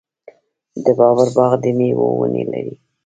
د بابر باغ د میوو ونې لري.